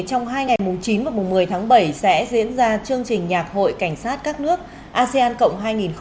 trong hai ngày chín và một mươi tháng bảy sẽ diễn ra chương trình nhạc hội cảnh sát các nước asean cộng hai nghìn hai mươi hai